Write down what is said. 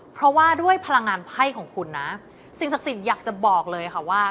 เพราะว่าด้วยพลังงานไพ่ของคุณนะสิ่งศักดิ์สิทธิ์อยากจะบอกเลยค่ะว่า